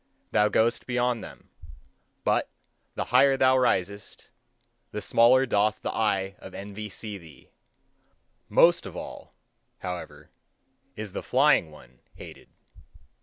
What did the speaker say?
Thou goest beyond them: but the higher thou risest, the smaller doth the eye of envy see thee. Most of all, however, is the flying one hated.